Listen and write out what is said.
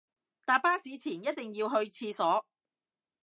搭巴士前一定要去廁所